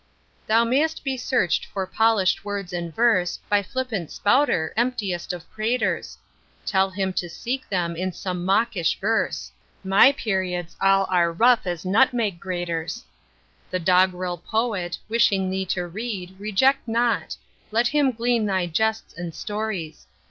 Thou may'st be searched for polish'd words and verse By flippant spouter, emptiest of praters: Tell him to seek them in some mawkish verse: My periods all are rough as nutmeg graters. The doggerel poet, wishing thee to read, Reject not; let him glean thy jests and stories.